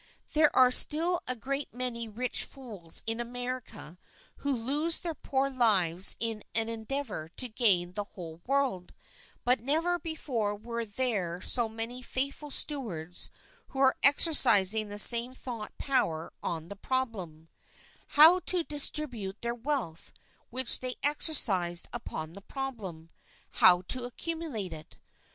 There are still a great many rich fools in America who lose their poor lives in an endeavour to gain the whole world ; but never before were there so many faithful stewards who are exercising the same thought power on the problem, How to distribute their wealth which they exercised upon the problem, How to accumulate it.